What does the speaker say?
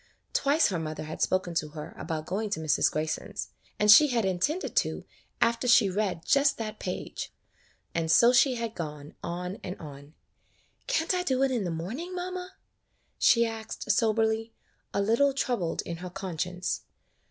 Twice her mother had spoken to her about going to Mrs. Grayson's, and she had intended to after she read just that page ; and so she had gone on and on. "Can't I do it in the morning, mamma?" she asked, soberly, a little troubled in her con science.